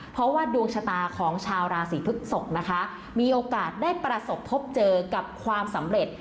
เพราะว่าดวงชะตาของชาวราศีพฤกษกนะคะมีโอกาสได้ประสบพบเจอกับความสำเร็จ